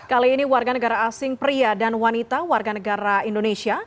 kali ini warga negara asing pria dan wanita warga negara indonesia